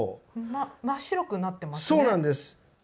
真っ白くなってますね。